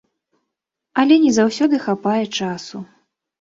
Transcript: Але не заўсёды хапае часу.